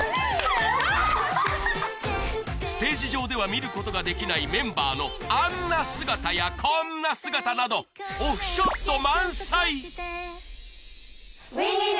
ステージ上では見ることができないメンバーのあんな姿やこんな姿などオフショット満載！